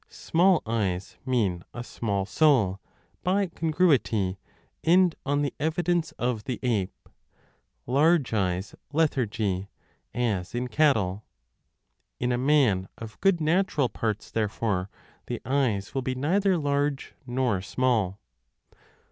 Small eyes mean a small soul, by congruity 20 and on the evidence of the ape : large eyes, lethargy, as in cattle. In a man of good natural parts, therefore, the eyes will be neither large nor small.